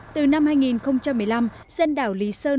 từ năm hai nghìn một mươi năm dân đảo lý sơn